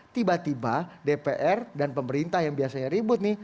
tiba tiba dpr dan pemerintah yang biasanya ribut nih